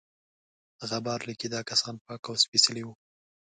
غبار لیکي دا کسان پاک او سپیڅلي وه.